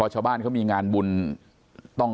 ฝ่ายกรเหตุ๗๖ฝ่ายมรณภาพกันแล้ว